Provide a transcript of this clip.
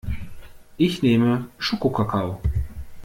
Ich nehme Schokokakao.